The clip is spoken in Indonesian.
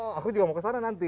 oh aku juga mau kesana nanti